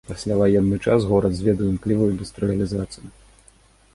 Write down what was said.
У пасляваенны час горад зведаў імклівую індустрыялізацыю.